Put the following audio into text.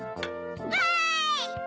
わい！